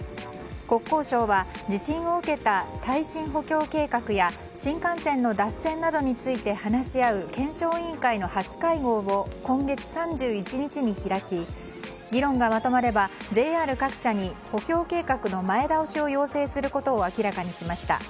国交省は地震を受けた耐震補強計画や新幹線の脱線などについて話し合う検証委員会の初会合を今月３１日に開き議論がまとまればＪＲ各社に補強計画の前倒しを要請することを明らかにしました。